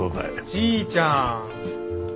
じいちゃん。